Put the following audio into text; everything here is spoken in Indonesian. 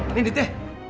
ini dit ya